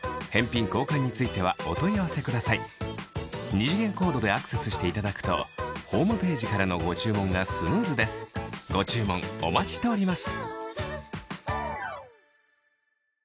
二次元コードでアクセスしていただくとホームページからのご注文がスムーズですご注文お待ちしております